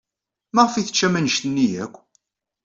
Maɣef ay teččam anect-nni akk?